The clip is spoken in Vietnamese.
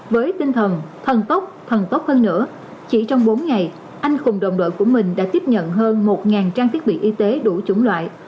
với tinh thần thần tốc thần tốc hơn nữa chỉ trong bốn ngày anh cùng đồng đội của mình đã tiếp nhận hơn một trang thiết bị y tế đủ chủng loại